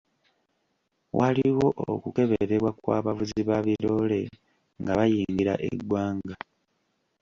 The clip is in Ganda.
Waliwo okukeberebwa kw'abavuzi ba biroole nga bayingira eggwanga.